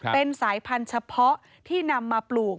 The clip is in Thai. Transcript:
เป็นสายพันธุ์เฉพาะที่นำมาปลูก